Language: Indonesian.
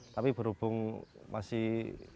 tapi berhubung masih